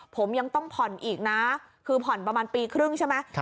ผมยังต้องผ่อนอีกนะคือผ่อนประมาณปีครึ่งใช่ไหม